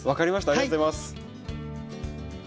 ありがとうございます。